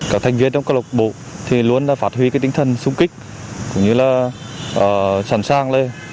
các thành viên trong câu lộc bộ thì luôn là phát huy cái tinh thần sung kích cũng như là sẵn sàng lên